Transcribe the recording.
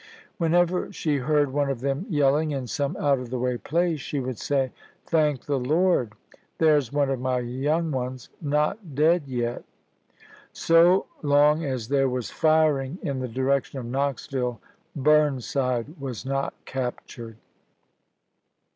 Whenever she heard one of them yelling in some out of the way place she would say, ' Thank the Lord! there 's one of my young ones not dead Diary, yet. '" So loug as there was " firing in the direc tion of Knoxville," Burnside was not captured.